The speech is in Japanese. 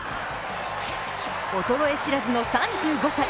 衰え知らずの３５歳。